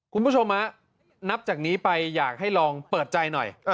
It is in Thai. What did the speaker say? คุณผู้ชมนับจากนี้ไปอยากให้ลองเปิดใจหน่อย